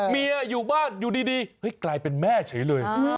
อยู่บ้านอยู่ดีกลายเป็นแม่เฉยเลย